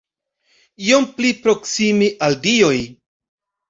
Iom pli proksime al dioj!